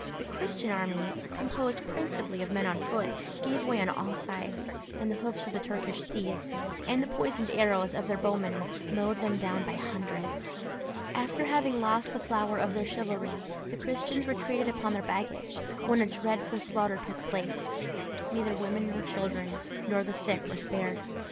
The Christian army, composed principally of men on foot, gave way on all sides, and the hoofs of the Turkish steeds, and the poisoned arrows of their bowmen, mowed them down by hundreds. After having lost the flower of their chivalry, the Christians retreated upon their baggage, when a dreadful slaughter took place. Neither women nor children, nor the sick, were spared.